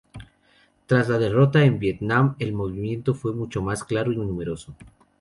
Tras la derrota en Vietnam el movimiento fue mucho más claro y numeroso.